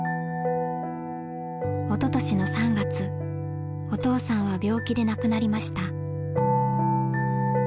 おととしの３月お父さんは病気で亡くなりました。